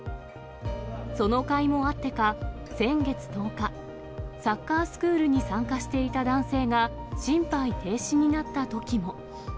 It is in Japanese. そのかいもあってか、先月１０日、サッカースクールに参加していた男性が、心肺停止になったときも。